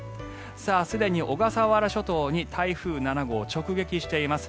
すでに小笠原諸島に台風７号直撃しています。